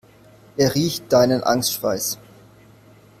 Er riecht deinen Angstschweiß.